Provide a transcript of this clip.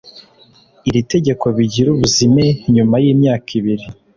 iri tegeko bigira ubuzime nyuma y imyaka ibiri